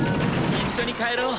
一緒に帰ろう。